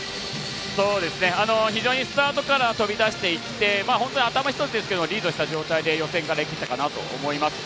非常にスタートから飛び出していって本当に頭１つですけどリードした状態で予選ができていたかなと思います。